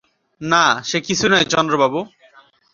না, সে কিছুই নয় চন্দ্রবাবু!